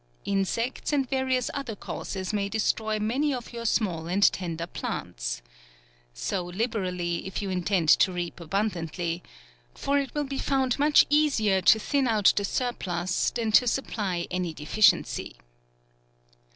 Insects, and various other causes, may destroy many of your small and tender plants. Sow liberally, if you intend to reap abundantly, — for it will be found much easier to thin out the surplus, than to supply any deficiency.